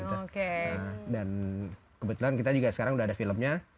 nah dan kebetulan kita juga sekarang udah ada filmnya